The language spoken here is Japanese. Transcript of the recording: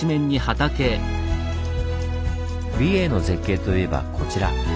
美瑛の絶景といえばこちら。